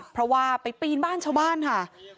เพราะว่าไปปีนบ้านชาวบ้านค่ะ